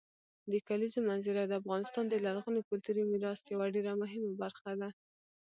د کلیزو منظره د افغانستان د لرغوني کلتوري میراث یوه ډېره مهمه برخه ده.